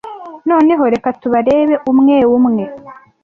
Noneho reka tubarebe umwe umwe.